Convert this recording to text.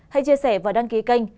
hãy chia sẻ và đăng ký kênh